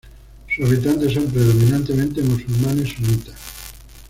Sus habitantes son predominantemente musulmanes sunitas.